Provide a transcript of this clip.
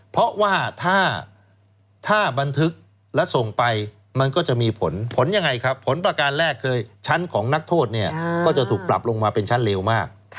เพราะว่าถ้าบันทึกและส่งไปมันก็จะมีผลผลยังไงครับผลประการแรกคือชั้นของนักโทษเนี่ยก็จะถูกปรับลงมาเป็นชั้นเร็วมาก